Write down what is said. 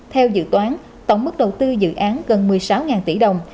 theo dự toán tổng mức đầu tư dự án gần một mươi sáu tỷ đồng